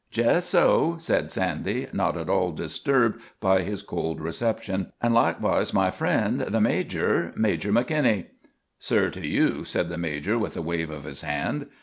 "Jes so," said Sandy, not at all disturbed by his cold reception; "an' likewise my friend the major Major McKinney." "Sir to you," said the major, with a wave of his hand.